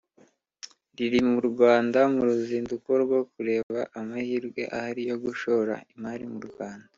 riri mu Rwanda mu ruzinduko rwo kureba amahirwe ahari yo gushora imari mu Rwanda